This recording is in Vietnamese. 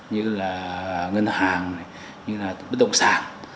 như là ngân hàng như là bất động sản